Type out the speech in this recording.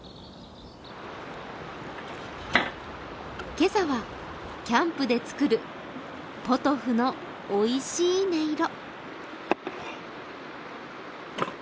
今朝は、キャンプで作るポトフのおいしい音色。